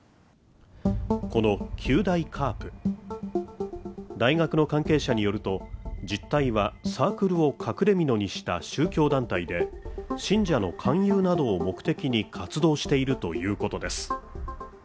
この九大ＣＡＲＰ、大学の関係者によると実態はサークルを隠れみのにした宗教団体で信者の勧誘などを目的に活動しているということです。